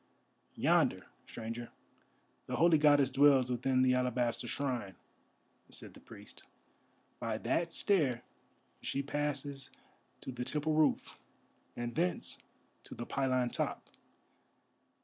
"Yonder, Stranger, the holy Goddess dwells within the Alabaster Shrine," said the priest. "By that stair she passes to the temple roof, and thence to the pylon top.